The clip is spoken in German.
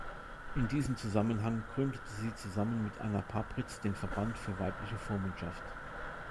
In diesem Zusammenhang gründete sie zusammen mit Anna Pappritz den "Verband für weibliche Vormundschaft".